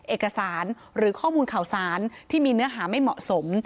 เอกสารหรือข้อมูลข่าวสารที่มีเนื้อหาไม่เหมาะสม